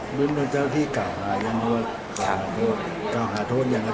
หรือเจ้าที่เก่าหาโทษยังเงิน